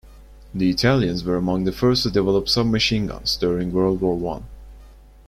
The Italians were among the first to develop submachine guns during World War One.